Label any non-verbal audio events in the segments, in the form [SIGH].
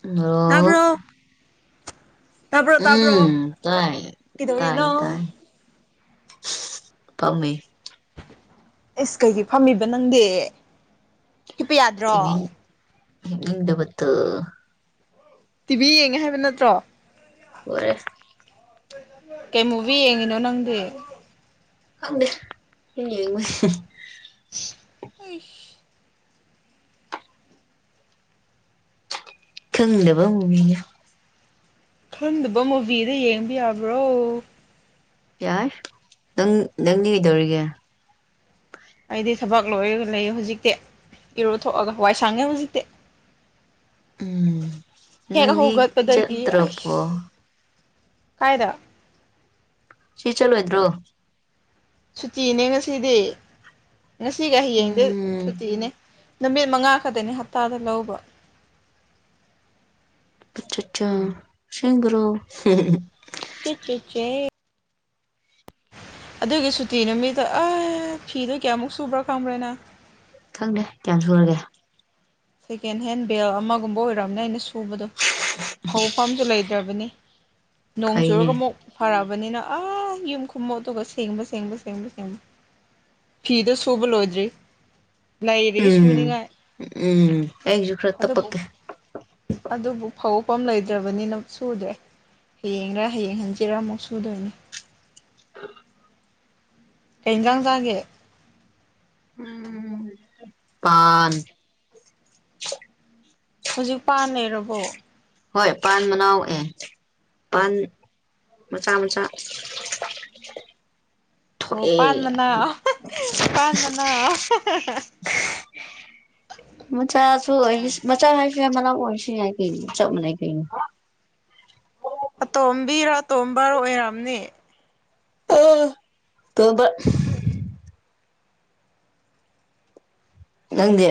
ꯑꫭ ꯇꯥꯕ꯭ꯔꯣ ꯇꯥꯕ꯭ꯔꯣ ꯇꯥꯕ꯭ꯔꯣ ꯎꯝ ꯇꯥꯏ ꯇꯥꯏ ꯀꯩꯗꯧꯔꯤꯅꯣ ꯇꯥꯏ ꯄꯝꯃꯦ ꯏꯁ ꯀꯩꯒꯤ ꯐꯝꯃꯤꯕ ꯅꯪꯗꯤ ꯍꯤꯞꯄ ꯇꯤꯕꯤ ꯌꯥꯗ꯭ꯔꯣ ꯍꯤꯞꯅꯤꯡꯅꯕꯗꯣ ꯇꯤꯕꯤ ꯌꯦꯡꯉꯦ ꯍꯥꯏꯕ ꯅꯠꯇ꯭ꯔꯣ [UNINTELLIGIBLE] ꯀꯩ ꯃꯨꯕꯤ ꯌꯦꯡꯉꯤꯅꯣ ꯅꯪꯗꯤ ꯈꯪꯗꯦ ꯌꯦꯡꯉꯣꯏ INAUDIBLE ꯈꯪꯗꯕ ꯃꯨ ꯃꯤꯅꯦ ꯈꯪꯗꯕ ꯃꯨꯚꯤꯗ ꯌꯦꯡꯕ ꯌꯥꯕ꯭ꯔꯣ ꯌꯥꯏ ꯅꯪ ꯅꯪꯗꯤ ꯀꯩꯗꯧꯔꯤꯒꯦ ꯑꯩꯗꯤ ꯊꯕꯛ ꯂꯣꯏꯔ ꯂꯩꯌꯦ ꯍꯧꯖꯤꯛꯇꯤ ꯏꯔꯨ ꯊꯣꯛꯑꯒ ꯋꯥꯏ ꯁꯪꯉꯦ ꯍꯧꯖꯤꯛꯇꯤ ꯎꯝ ꯍꯦꯛ ꯅꯗꯤ ꯍꯧꯒꯠꯄꯗꯒꯤ ꯆꯠꯇ꯭ꯔꯥꯕꯣ ꯑꯩꯁ ꯀꯥꯏꯗ ꯁꯤ ꯆꯠꯂꯣꯏꯗ꯭ꯔꯣ ꯁꯨꯇꯤꯅꯦ ꯉꯁꯤꯗꯤ ꯉꯁꯤꯒ ꯍꯌꯦꯡꯗ ꯎꯝ ꯁꯨꯇꯤꯅꯦ ꯅꯨꯃꯤꯠ ꯃꯉꯥ ꯈꯛꯇꯅꯤ ꯍꯞꯇꯥꯗ ꯂꯧꯕ ꯑꯆꯠꯁꯥ ꯑꯁꯦꯡꯕꯔꯣ ꯆꯤꯠ ꯆꯤꯠꯆꯦ ꯑꯗꯨꯒꯤ ꯁꯨꯇꯤ ꯅꯨꯃꯤꯠꯇꯣ ꯑꯥ ꯐꯤꯗꯣ ꯀꯌꯥꯝꯃꯨꯛ ꯁꯨꯕ꯭ꯔꯥ ꯈꯪꯕ꯭ꯔꯥ ꯅꯪ ꯈꯪꯗꯦ ꯀꯌꯥꯝ ꯁꯨꯔꯒꯦ ꯁꯦꯀꯦꯟ ꯍꯦꯟ ꯕꯦꯜ ꯑꯃꯒꯨꯝꯕ ꯑꯣꯏꯔꯝꯅꯤ ꯑꯩꯅ ꯁꯨꯕꯗꯣ ꯐꯧ ꯄꯝꯁꯨ ꯂꯩ- ꯇꯕꯅꯤ ꯅꯣꯡ ꯐꯩꯅꯦ ꯆꯨꯔꯒ ꯑꯃꯨꯛ ꯐꯥꯔꯛꯑꯕꯅꯤꯅ ꯑꯥ ꯌꯨꯝ ꯈꯨꯃꯣꯠꯇꯨꯒ ꯁꯦꯡꯕ ꯁꯦꯡꯕ ꯁꯦꯡꯕ ꯁꯦꯡꯕ ꯐꯤꯗꯣ ꯁꯨꯕ ꯂꯣꯏꯗ꯭ꯔꯤ ꯂꯩꯔꯤ ꯎꯝ ꯁꯨꯅꯤꯡꯉꯥꯏ ꯎꯝ ꯑꯩꯖꯨ ꯑꯗꯨꯕꯨ ꯑꯗꯨꯕꯨ ꯐꯧꯐꯝ ꯂꯩꯇ꯭ꯔꯕꯅꯤꯅ ꯁꯨꯗ꯭ꯔꯦ ꯍꯌꯦꯡꯔꯥ ꯍꯌꯦꯡ ꯍꯟꯆꯤꯠꯔꯥ ꯑꯃꯨꯛ ꯁꯨꯗꯣꯏꯅꯤ [INAUDIBLE] ꯀꯩ ꯏꯟꯁꯥꯡ ꯆꯥꯒꯦ ꯎꯝ ꯄꯥꯟ ꯍꯧꯖꯤꯛ ꯄꯥꯟ ꯂꯩꯔꯕꯣ ꯍꯣꯏ ꯄꯥꯟ ꯃꯅꯥꯎ ꯑꯦ ꯄꯥꯟ ꯃꯆꯥ ꯃꯆꯥ ꯑꯣ ꯊꯣꯛꯑꯦ ꯄꯥꯟ ꯃꯅꯥꯎ ꯄꯥꯟ ꯃꯅꯥꯎ ꯃꯆꯥꯁꯨ ꯑꯣꯏ ꯃꯆꯥ ꯍꯥꯏꯔꯁꯨ ꯌꯥꯝꯏ ꯃꯅꯥꯎ ꯑꯣꯏꯔꯁꯨ ꯌꯥꯏ ꯀꯩꯅꯣ ꯆꯞ ꯃꯥꯟꯅꯩ ꯀꯩꯅꯣ ꯑꯣ ꯑꯇꯣꯝꯕꯤꯔꯥ ꯑꯇꯣꯝꯕꯔꯥ ꯑꯣꯏꯔꯝꯅꯤ [UNINTELLIGIBLE] ꯅꯪꯗꯤ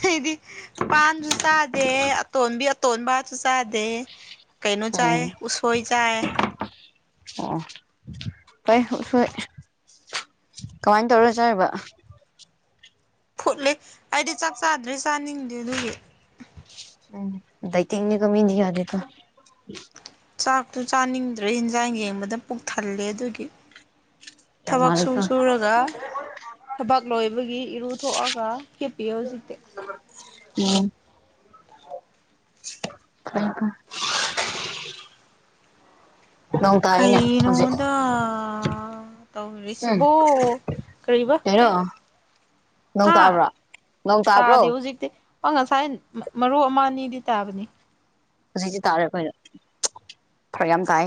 ꯑꯩꯗꯤ ꯄꯥꯟꯁꯨ ꯆꯥꯗꯦ ꯑꯇꯣꯟꯕꯤ ꯑꯇꯣꯟꯕꯁꯨ ꯆꯥꯗꯦ ꯀꯩꯅꯣ ꯎꯝ ꯆꯥꯏꯌꯦ ꯎꯁꯣꯏ ꯆꯥꯏꯌꯦ ꯑꯣ ꯇꯩ ꯎꯁꯣꯏ ꯀꯃꯥꯏ ꯇꯧꯔ ꯆꯥꯔꯤꯕ ꯐꯨꯠꯂꯦ ꯑꯩꯗꯤ ꯆꯥꯛ ꯆꯥꯗ꯭ꯔꯦ ꯆꯥꯅꯤꯡꯗꯦ ꯑꯗꯨꯒꯤ ꯎꯝ ꯗꯩꯇꯤꯡꯅꯤꯀꯣ ꯃꯤꯗꯤ ꯌꯥꯗꯦꯀꯣ ꯆꯥꯛꯇꯨ ꯆꯥꯅꯤꯡꯗ꯭ꯔꯦ ꯏꯟꯖꯥꯡ ꯌꯦꯡꯕꯗ ꯄꯨꯛ ꯊꯜꯂꯦ ꯑꯗꯨꯒꯤ ꯌꯥꯝ ꯊꯕꯛꯁꯨ ꯃꯥꯜꯂꯤꯀꯣ ꯁꯨꯔꯒ ꯊꯕꯛ ꯂꯣꯏꯕꯒꯤ ꯏꯔꯨ ꯊꯣꯛꯑꯒ ꯍꯦꯞꯄꯤꯑ ꯍꯧꯖꯤꯛꯇꯤ ꯎꯝ ꯍꯀ ꯅꯣꯡ ꯇꯥꯛꯅꯦ ꯍꯧꯖꯤꯛ ꯀꯩꯅꯣꯗ ꯎꯝ ꯇꯧꯔꯤꯁꯤꯕꯣ ꯀꯔꯤꯕ ꯀꯩꯅꯣ ꯅꯣꯡ ꯇꯥꯕ꯭ꯔꯣ ꯅꯣꯡ ꯇꯥꯕ꯭ꯔꯣ ꯖꯤꯛꯇ ꯑꯣ ꯉꯁꯥꯏ ꯃꯔꯨ ꯑꯃ ꯑꯅꯤꯗꯤ ꯇꯥꯕꯅꯤ ꯍꯧꯖꯤꯛꯇꯤ ꯇꯥꯔꯦ ꯑꯩꯈꯣꯏꯗ ꯐꯔꯛ ꯌꯥꯝ ꯇꯥꯏ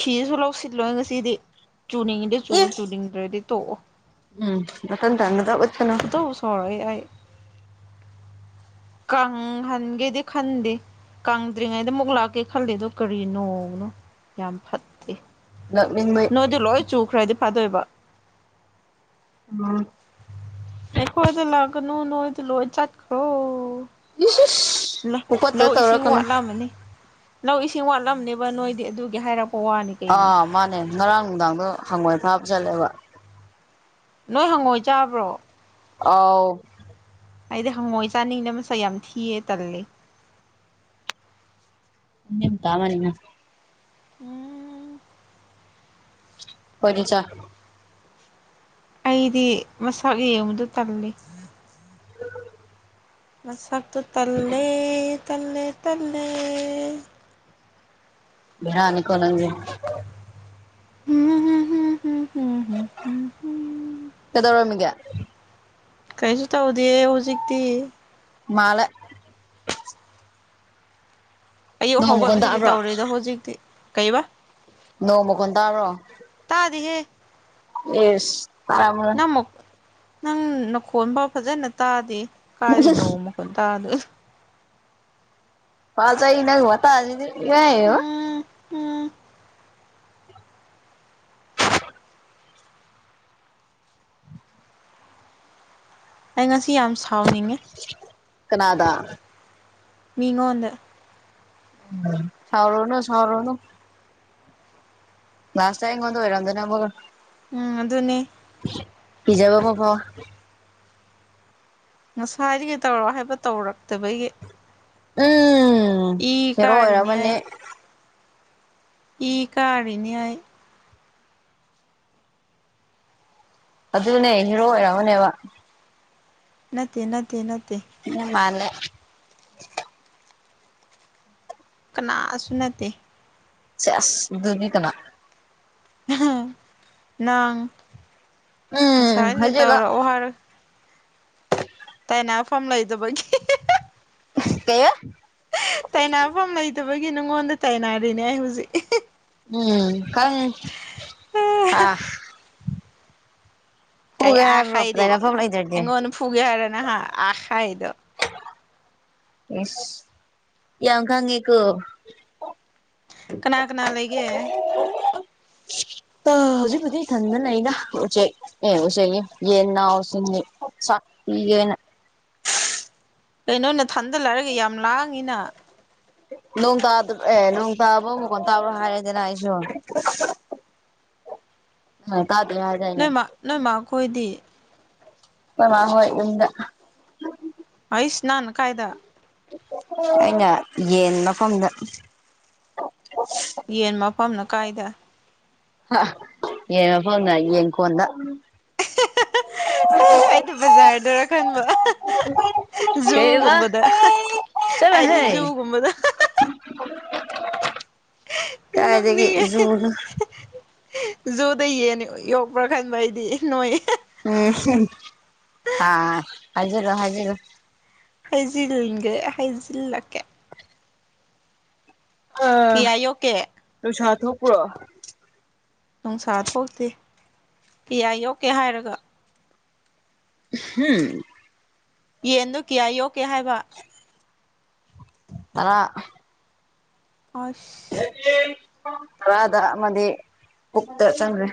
ꯐꯤꯁꯨ ꯂꯧꯁꯤꯜꯂꯣꯏ ꯉꯁꯤꯗꯤ ꯆꯨꯅꯤꯡꯉꯤꯗꯤ ꯆꯨ ꯑꯦ ꯆꯨꯅꯤꯡꯗ꯭ꯔꯗꯤ ꯇꯣꯛꯑꯣ ꯎꯝ ꯃ ꯇꯪꯗ ꯐꯨꯗꯧ ꯁꯥꯎꯔꯛꯑꯦ ꯑꯩ ꯀꯪꯍꯟꯒꯦꯗꯤ ꯈꯟꯗꯦ ꯀꯪꯗ꯭ꯔꯤꯉꯩꯗ ꯑꯃꯨꯛ ꯂꯥꯛꯀꯦ ꯈꯜꯂꯤꯗꯣ ꯀꯔꯤ ꯅꯣꯡ ꯅꯣ ꯌꯥꯝ ꯐꯠꯇꯦ ꯅꯣꯛꯅꯤꯡꯕꯩ ꯅꯣꯏꯗꯥ ꯂꯣꯏ ꯆꯨꯈ꯭ꯔꯗꯤ ꯐꯥꯗꯣꯏꯕ ꯎꯝ ꯑꯩꯈꯣꯏꯗ ꯂꯥꯛꯀꯅꯨ ꯅꯣꯏꯗ ꯂꯣꯏ ꯆꯠꯈ꯭ꯔꯣ ꯏꯁ ꯑꯩꯃꯥ ꯏꯁ ꯄꯨꯀꯠꯇ ꯂꯧ ꯏꯁꯤꯡ ꯇꯧꯔꯛꯀꯅꯨ ꯋꯥꯠꯂꯝꯃꯅꯤ ꯂꯧ ꯏꯁꯤꯡ ꯋꯥꯠꯂꯝꯅꯤꯕ ꯅꯣꯏꯗꯤ ꯑꯗꯨꯒꯤ ꯍꯥꯏꯔꯛꯄ ꯋꯥꯅꯤ ꯀꯩꯅꯣ ꯑꯥ ꯃꯥꯅꯦ ꯉꯔꯥꯡ ꯅꯨꯡꯗꯥꯡꯗꯣ ꯍꯪꯉꯣꯏ ꯐꯥꯕ ꯆꯠꯂꯦꯕ ꯅꯣꯏ ꯍꯪꯉꯣꯏ ꯆꯥꯕ꯭ꯔꯣ ꯑꯥꯎ ꯑꯩꯗꯤ ꯍꯪꯉꯣꯏ ꯆꯥꯅꯤꯡꯅ ꯃꯆꯥ ꯌꯥꯝ ꯊꯤꯌꯦ ꯇꯜꯂꯤ ꯝ ꯇꯥꯃꯅꯤꯅ ꯎꯝ ꯄꯆꯥ ꯑꯩꯗꯤ ꯃꯁꯛ ꯌꯦꯡꯕꯗ ꯇꯜꯂꯤ ꯎ ꯃꯁꯥꯛꯇ ꯇꯜꯂꯦ ꯇꯜꯂꯦ ꯇꯜꯂꯦ ꯕꯤꯔꯥꯅꯤ ꯈꯒꯦ ꯍꯝ ꯍꯝ ꯍꯝ ꯍꯝ ꯍꯝ ꯍꯝ ꯍꯝ ꯀꯗꯧꯔꯃꯤꯒ ꯀꯩꯁꯨ ꯇꯧꯗꯦ ꯍꯧꯖꯤꯛꯇꯤ ꯃꯥꯂ ꯑꯌꯨꯛ ꯅꯣꯡ ꯃꯈꯣꯟ ꯍꯧꯒꯠꯄꯗꯒꯤ ꯇꯥꯕ꯭ꯔꯣ ꯇꯧꯔꯦ ꯑꯗꯣ ꯍꯧꯖꯤꯛꯇꯤ ꯀꯩꯕꯥ ꯅꯣꯡꯃ ꯀꯟ ꯇꯥꯔꯣ ꯇꯥꯗꯤꯍꯦ ꯌꯦꯁ ꯅꯪ ꯑꯃꯨꯛ ꯅꯪ ꯅꯈꯣꯟ ꯐ ꯐꯖꯅ ꯇꯥꯗꯦ ꯀꯥꯏꯔꯤꯅꯣ ꯑꯃꯨꯛ ꯈꯟ ꯇꯗ ꯐꯜꯖ ꯏꯅ ꯋꯥꯠꯇ ꯍꯥꯏꯗꯤ ꯌꯥ ꯎꯝ ꯎꯝ ꯑꯩ ꯉꯁꯤ ꯌꯥꯝ ꯁꯥꯎꯅꯤꯡꯉꯤ ꯀꯅꯥꯗꯥ ꯃꯤꯉꯣꯟꯗ ꯁꯥꯎꯔꯣꯅ ꯁꯥꯎꯔꯣꯅ ꯅꯥꯁꯇꯥꯏꯣ ꯑꯣꯏꯔꯣ ꯑꯗꯨꯅ ꯎꯝ ꯑꯗꯨꯅꯤ ꯍꯤꯖꯕ ꯀꯣꯕꯣ ꯉꯁ ꯍꯥꯏꯔꯤ ꯀꯩ ꯇꯧꯔꯣ ꯍꯥꯏꯕ ꯇꯧꯔꯛꯇꯕꯒꯤ ꯎꯝ ꯏ ꯍꯦꯔꯣ ꯀꯥꯔꯤꯅ‌ꯦ ꯑꯣꯏꯔꯝꯃꯅꯤ ꯑꯩ ꯏ ꯀꯥꯔꯤꯅꯤ ꯑꯩ ꯑꯗꯨꯅꯦ ꯍꯤꯔꯣ ꯑꯣꯏꯔꯝꯒꯅꯦꯕ ꯅꯠꯇꯦ ꯅꯠꯇꯦ ꯅꯠꯇꯦ ꯃꯥꯜꯂꯦ ꯀꯅꯥꯁꯨ ꯅꯠꯇꯦ ꯁ‌ꯦꯁ ꯗꯨꯗꯤ ꯀꯅꯥ ꯅꯪ ꯎꯝ ꯉꯁꯥꯏꯗꯒꯤ ꯍꯥꯏꯖꯤꯜꯂꯣ ꯇꯧꯔꯛꯑꯣ ꯍꯥꯏꯔ ꯇꯥꯏꯅꯐꯝ ꯂꯩꯗꯕꯒꯤ ꯀꯩꯕꯥ ꯇꯥꯏꯅꯐꯝ ꯂꯩꯇꯕꯒꯤ ꯅꯉꯣꯟꯗ ꯇꯥꯏꯅꯔꯤꯅꯦ ꯑꯩ ꯍꯧꯖꯤꯛ ꯎꯝ ꯀ ꯑ ꯀꯥꯏ ꯐꯨꯒꯦ ꯑꯈ ꯍꯥꯏꯕ꯭ꯔꯣ ꯏꯗꯦ ꯂꯩꯔꯐꯝ ꯂꯩꯇ꯭ꯔꯗꯤ ꯍꯉꯣꯟꯟꯅ ꯐꯨꯒꯦ ꯍꯥꯏꯔꯅ ꯍꯥ ꯑꯈ ꯏꯗ ꯌꯦꯁ ꯌꯥ ꯈꯉ ꯀ ꯀꯅꯥ ꯀꯅꯥ ꯂꯩꯒꯦ ꯑ ꯍꯧꯖꯤꯛ ꯍꯧꯖꯤꯛ ꯏꯊꯟꯗ ꯂꯩꯅ ꯎꯆꯦꯛ ꯑꯦ ꯍꯁꯔꯤ ꯌꯦꯅ ꯍꯁꯤꯃꯤꯅꯤ ꯁꯤꯒꯦꯅ ꯀꯩꯅꯣꯅ ꯊꯟꯗ ꯂꯩꯔꯒ ꯌꯥꯝ ꯂꯥꯡꯉꯤꯅ ꯅꯣꯡ ꯇꯥ ꯑꯦ ꯅꯣꯡ ꯇꯥꯕ ꯑꯃꯨꯛ ꯀꯣꯟ ꯇꯥꯕ꯭ꯔꯥ ꯍꯥꯏꯔꯗꯅ ꯑꯩꯁꯨ ꯍ ꯇꯥꯕꯤ ꯍꯥꯏꯥꯏꯅ ꯅꯣꯏ ꯃꯥ ꯀꯣꯏꯗꯤ ꯑ ꯍꯣꯏ ꯏꯗ ꯑꯩꯁ ꯅꯥꯅ ꯀꯥꯏꯗ ꯑꯩꯅ ꯌꯦꯟ ꯃꯐꯝꯗ ꯌꯦꯟ ꯃꯐꯝꯅ ꯀꯥꯏꯗ ꯌꯦꯟ ꯃꯐꯝꯅ ꯌꯦꯡꯀꯣꯟꯗ ꯑꯩ ꯑꯩꯗꯣ ꯕꯖꯥꯔꯗꯔ ꯈꯟꯕ ꯀꯩꯕ ꯖꯨꯒꯨꯝꯕꯗ ꯍꯥꯏꯗꯤ ꯆꯠꯂꯣꯍꯦ ꯖꯨꯒꯨꯝꯕꯗ ꯀꯔꯥꯏꯗꯒꯤ ꯅꯣꯛꯅꯤꯡꯉꯦ ꯖꯨꯅ‌ꯣ ꯖꯨꯗ ꯌꯦꯟ ꯌꯣꯛꯄ꯭ꯔꯥ ꯈꯟꯕ ꯑꯩꯗꯤ ꯅꯣꯏ ꯎꯝ ꯍꯥ ꯍꯥꯏꯖꯤꯔ‌ꯣ ꯍꯥꯏꯖꯤꯔ‌ꯣ ꯍꯩꯖꯤꯜꯒ‌ꯦ ꯍꯩꯖꯤꯜꯂꯛꯀꯦ ꯑꯥ ꯀꯌꯥ ꯌꯣꯛꯀꯦ ꯅꯨꯡꯁꯥ ꯊꯣꯛꯄ꯭ꯔꯣ ꯅꯨꯡꯁꯥ ꯊꯣꯛꯇꯦ ꯀꯌꯥ ꯌ‌ꯣꯛꯀꯦ ꯍꯥꯏꯔꯒ [UNINTELLIGIBLE] ꯌꯦꯟꯗ‌ꯣ ꯀꯌꯥ ꯌꯣꯛꯀꯦ ꯍꯥꯏꯕ ꯇꯔꯥ ꯑꯁ ꯇꯔꯥꯗ ꯑꯃꯗꯤ ꯄꯨꯛꯇ ꯆꯪꯈ꯭ꯔꯦ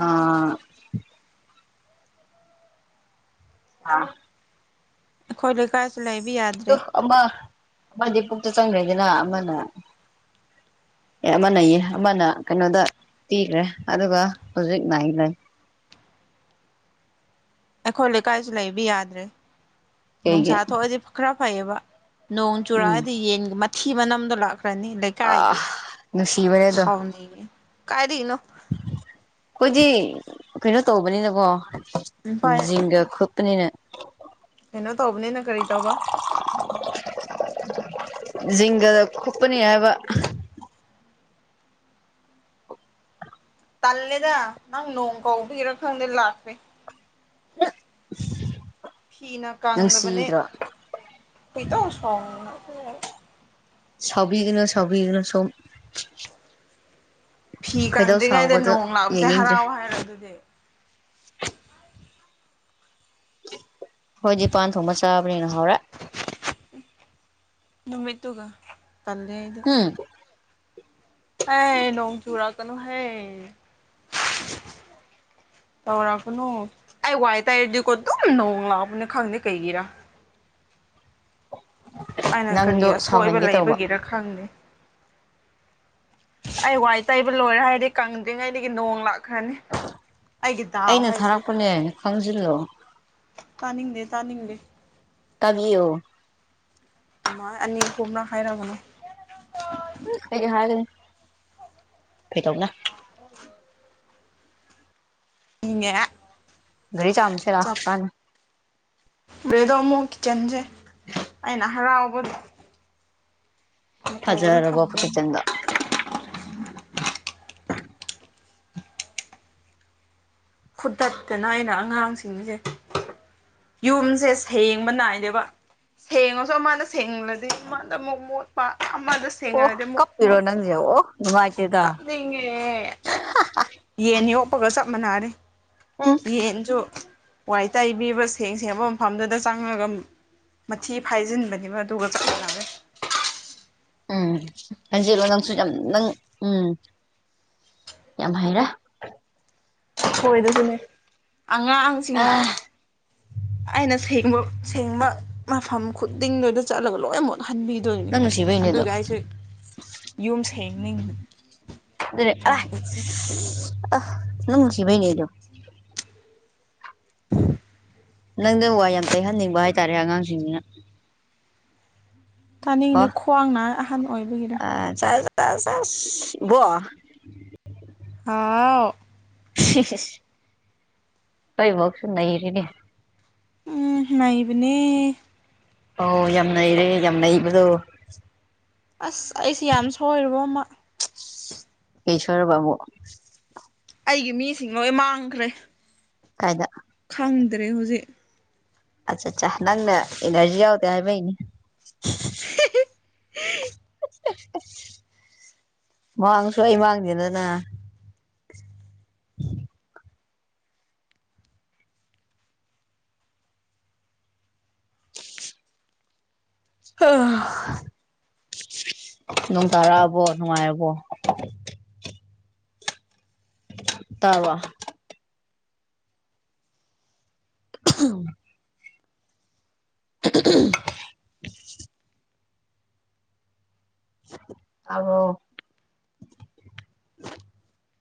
ꯑꯥ ꯑꯥ ꯑꯩꯈꯣꯏ ꯂꯩꯀꯥꯏꯁꯤ ꯂꯩꯕ ꯇꯨ ꯌꯥꯗ꯭ꯔꯦ ꯑꯃ ꯑꯃꯗꯤ ꯄꯨꯛꯇ ꯆꯪꯈ꯭ꯔꯦꯗꯅ ꯑꯃꯅ ꯑꯦ ꯑꯃꯅ ꯌꯦ ꯑꯃꯅ ꯀꯩꯅꯣꯗ ꯄꯤꯈ꯭ꯔꯦ ꯑꯗꯨꯒ ꯍꯧꯖꯤꯛ ꯅꯥꯏꯟ ꯂꯩ ꯑꯩꯈꯣꯏ ꯂꯩꯀꯥꯏꯁꯨ ꯂꯩꯕ ꯌꯥꯗ꯭ꯔꯦ ꯀꯩꯒꯤ ꯅꯨꯡꯁꯥ ꯊꯣꯛꯑꯗꯤ ꯈꯔ ꯐꯩꯌꯦꯕ ꯅꯣꯡ ꯎꯝ ꯆꯨꯔꯛꯑꯗꯤ ꯌꯦꯟꯒ ꯃꯊꯤ ꯃꯅꯝꯗꯣ ꯂꯥꯛꯈ꯭ꯔꯅꯤ ꯂꯩ ꯑꯥ ꯀꯥꯏꯒꯤ ꯅꯨꯡꯁꯤꯕꯅꯦ ꯑꯗꯣ ꯁꯥꯎꯅꯤꯡꯉ‌ꯦ ꯀꯥꯏꯗꯒꯤꯅꯣ ꯑꯩꯈꯣꯏꯗꯤ ꯀꯩꯅꯣ ꯇꯧꯕꯅꯤꯅꯀꯣ ꯚꯥꯏ ꯖꯤꯡꯒ ꯈꯨꯠ ꯄꯅꯤꯅ ꯀꯩꯅꯣ ꯇꯧꯕꯅꯤꯅ ꯀꯔꯤ ꯇꯧꯕ ꯖꯤꯡꯒꯗ ꯈꯨꯞꯄꯅꯤꯅ ꯍꯥꯏꯕ ꯇꯜꯂꯦꯗ ꯅꯪ ꯅꯣꯡ ꯀꯥꯎꯗꯨꯏꯔꯥ ꯈꯪꯗꯦ ꯂꯥꯛꯈ꯭ꯔꯦ ꯐꯤꯅ ꯀꯪꯗꯕꯅꯦ ꯅꯨꯡꯁꯤꯗ꯭ꯔꯣ ꯈ‌ꯣꯏꯗꯧ ꯁꯥꯎꯅꯤꯡ ꯁꯥꯎꯕꯤꯒꯅ‌ꯣ ꯁꯥꯎꯕꯤꯒꯅ‌ꯣ ꯁ‌ꯣꯝ ꯐꯤ ꯀꯪꯗ꯭ꯔꯤꯉꯩꯗ ꯁꯥꯎꯕꯗꯣ ꯅꯣꯡ ꯂꯥꯛꯄꯁꯦ ꯌꯦꯡꯅꯤꯡꯗ꯭ꯔꯦ ꯍꯔꯥꯎ ꯍꯥꯏꯔ ꯑꯗꯨꯗꯤ ꯈꯣꯏꯗꯤ ꯄꯥꯟ ꯊꯣꯡꯕ ꯆꯥꯕꯅꯤꯅ ꯍꯥꯎꯔꯦ ꯅꯨꯃꯤꯠꯇꯨꯒ ꯇꯜꯂꯦ [UNINTELLIGIBLE] ꯍꯦ ꯅꯣꯡ ꯆꯔꯛꯀꯅꯨ ꯍꯦ ꯇꯧꯔꯛꯀꯅꯨ ꯑꯩ ꯋꯥꯏ ꯇꯩꯔꯗꯤꯀꯣ ꯑꯗꯨꯝ ꯅꯣꯡ ꯂꯥꯛꯄꯅꯦ ꯈꯪꯗꯦ ꯀꯩꯒꯤꯔ ꯑꯩꯅ ꯀꯔꯤ ꯅꯪꯗꯣ ꯑꯁꯣꯏꯕ ꯁꯥꯎꯍꯟꯒꯦ ꯇꯧꯕ ꯂꯩꯕꯒꯤꯔ ꯈꯪꯗꯦ ꯑꯩ ꯋꯥꯏ ꯇꯩꯕ ꯂꯣꯏꯔꯦ ꯍꯥꯏꯔꯗꯤ ꯀꯪꯗ꯭ꯔꯤꯉꯩꯗꯒꯤ ꯅꯣꯡ ꯂꯥꯛꯈ꯭ꯔꯅꯤ ꯑꯩꯒꯤ ꯗꯥꯎ ꯑꯩꯅ ꯍꯥꯏꯁꯦ ꯊꯥꯔꯛꯄꯅꯦ ꯈꯪꯖꯤꯜꯂꯣ ꯇꯥꯅꯤꯡꯗꯦ ꯇꯥꯅꯤꯡꯗꯦ ꯇꯥꯕꯤꯌ‌ꯣ ꯑꯗꯨꯃꯥꯏ ꯑꯅꯤ ꯑꯍꯨꯝꯂꯛ ꯍꯥꯏꯔꯥꯒꯅꯣ ꯀꯩꯩ ꯍꯥꯏꯒꯅꯤ ꯀꯩꯗꯧꯅꯥ [UNINTELLIGIBLE] ꯒꯥꯔꯤ ꯆꯥꯝꯃꯨꯁꯦ ꯂꯥꯎ ꯀꯥꯟꯅꯗꯦ ꯔꯦꯗꯣ ꯑꯃꯨꯛ ꯆꯦꯟꯖꯦ ꯑꯩꯅ ꯍꯔꯥꯎꯕꯒꯤ ꯐꯖꯔꯕꯣ ꯊꯝꯃꯦ ꯀꯤꯠꯆꯟꯗꯣ ꯐꯨꯗꯠꯇꯅ ꯑꯩꯅ ꯑꯉꯥꯡꯁꯤꯡꯁꯦ ꯌꯨꯝꯁꯦ ꯁꯦꯡꯕ ꯅꯥꯏꯗꯦꯕ ꯁꯦꯡꯉꯁꯨ ꯑꯃꯗ ꯁꯦꯡꯂꯗꯤ ꯑꯃꯗꯃꯨꯛ ꯃꯣꯠꯄ ꯑꯃꯗ ꯑꯣ ꯁꯦꯡꯉꯔꯗꯤ ꯑꯃꯨꯛ ꯀꯄꯤꯔꯣ ꯃꯣꯠꯄ ꯅꯪꯖꯦ ꯑꯣ ꯅꯨꯡꯉꯥꯏꯇꯦꯗ [UNINTELLIGIBLE] ꯌꯦꯟ ꯌꯣꯛꯄꯒ ꯆꯞ ꯃꯥꯟꯅꯔꯦ ꯎꯝ ꯌꯦꯟꯁꯨ ꯋꯥꯢ ꯇꯩꯕꯤꯕ ꯁꯦꯡ ꯁꯦꯡꯕ ꯃꯐꯝꯗꯗ ꯆꯪꯉꯛꯑꯒ ꯃꯊꯤ ꯐꯥꯏꯖꯤꯟꯕꯅꯦꯕ ꯑꯗꯨꯒ ꯃꯥꯟꯅꯔꯦ ꯎꯝ ꯈꯟꯖꯤꯜꯂꯣ ꯅꯪꯁꯨ ꯌꯥꯝ ꯅꯪ ꯎꯝ ꯌꯥꯝ ꯍꯩꯔꯦ ꯈꯣꯏꯗꯁꯨꯅꯦ ꯑ ꯑꯉꯥꯡꯁꯤꯡꯅ ꯑꯩꯅ ꯁꯦꯡꯕ ꯁꯦꯡꯕ ꯃꯐꯝ ꯈꯨꯗꯤꯡꯗꯨꯗ ꯆꯠꯂꯒ ꯂꯣꯏꯅ ꯃꯣꯠꯍꯟꯕꯤ ꯑꯗꯨꯅꯤ ꯅꯪ ꯅꯨꯡꯁꯤꯕꯩꯅꯦ ꯑꯗꯣ ꯑꯗꯨꯒ ꯑꯩꯁꯨ ꯌꯨꯝ ꯁꯦꯡꯅꯤꯡꯗ꯭ꯔꯦ ꯑꯗꯨꯅꯦ ꯑꯦ ꯑ ꯅꯪ ꯅꯨꯡꯁꯤꯕꯩꯅꯦ ꯑꯗꫭ ꯅꯪꯗꯣ ꯋꯥꯏ ꯌꯥꯝ ꯇꯩꯍꯟꯅꯤꯡꯕ ꯍꯥꯏꯇꯥꯔꯦ ꯑꯉꯥꯡꯁꯤꯡꯁꯤꯅ ꯀꯣ ꯇꯥꯅꯤꯡꯗꯦ ꯈ꯭ꯋꯥꯡ ꯅꯥꯏ ꯑꯍꯟ ꯑꯣꯏꯕꯒꯤꯔ ꯑꯁ ꯑꯁ ꯏꯕꯣꯛ ꯍꯥꯎ ꯥ [UNINTELLIGIBLE] ꯑꯩ ꯏꯕꯣꯛꯁꯨ ꯅꯩꯔꯦꯅꯦ ꯎꯝ ꯅꯩꯕꯅꯦ ꯑꯧ ꯌꯥꯝ ꯅꯩꯔꯦ ꯌꯥꯝ ꯅꯩꯕꯗꯣ ꯑꯁ ꯑꯩꯁꯦ ꯌꯥꯝ ꯁꯣꯏꯔꯨꯕꯃ ꯀꯩ ꯁꯣꯏꯔꯕ ꯑꯃꯨꯛ ꯑꯩꯒꯤ ꯃꯤꯁꯤꯡ ꯂꯣꯏ ꯃꯥꯡꯈ꯭ꯔꯦ ꯀꯥꯏꯗ ꯈꯪꯗ꯭ꯔꯦ ꯍꯧꯖꯤꯛ ꯑꯆ ꯆꯥ ꯅꯪꯅ ꯏꯅꯔꯖꯤ ꯌꯥꯎꯗ ꯍꯥꯏꯕꯩꯅꯤ [INAUDIBLE] ꯃꯥꯡꯉꯁꯨ ꯑꯩ ꯃꯥꯡꯗꯦꯗꯅ ꯍ ꯅꯣꯡ ꯇꯥꯔꯛꯑꯕꯣ ꯅꯨꯡꯉꯥꯏꯔꯕꯣ ꯇꯥꯕ꯭ꯔꯣ [UNINTELLIGIBLE] [INAUDIBLE] ꯑꯏ [INAUDIBLE]